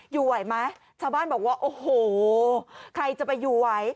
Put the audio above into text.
อยู่ไว้ไหมชาวบ้านบอกว่าใครจะไปอยู่ไว้